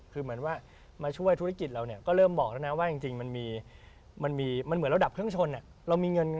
คือเหมือนว่ามาช่วยธุรกิจเราเนี่ยก็เริ่มบอกแล้วนะว่าจริงมันมีมันเหมือนเราดับเครื่องชนเรามีเงิน